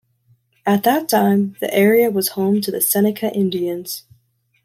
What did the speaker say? At that time, the area was home to the Seneca Indians.